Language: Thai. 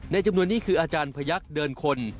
จำนวนนี้คืออาจารย์พยักษ์เดินคน